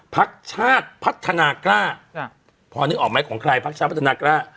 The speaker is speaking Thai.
พักชาติพัฒนากล้าพอนึกออกไหมของใครพักชาติพัฒนากล้า